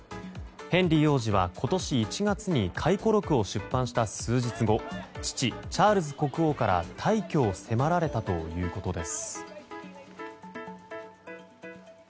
ヘンリー王子は今年１月に回顧録を出版した数日後父チャールズ国王から退去を迫られたということです。